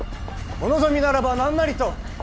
お望みならば何なりと！